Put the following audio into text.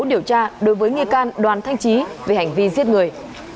điều tra đối với nghi can đoàn thanh trí về hành vi giết người